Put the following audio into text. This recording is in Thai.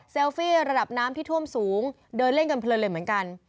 ฟี่ระดับน้ำที่ท่วมสูงเดินเล่นกันเพลินเลยเหมือนกัน